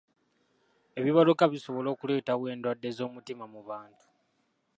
Ebibaluka bisobola okuleetawo endwadde z'omutima mu bantu.